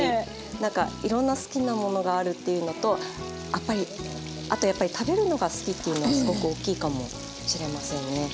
なんかいろんな好きなものがあるっていうのとあとやっぱりっていうのがすごく大きいかもしれませんね。